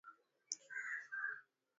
bahari ni samawati.